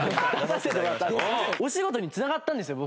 お仕事につながったんですよ